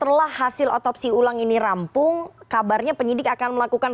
setelah hasil otopsi ulang ini rampung kabarnya penyidik akan melakukan